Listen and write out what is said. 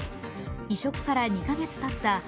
移植から２カ月たった